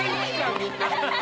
みんな。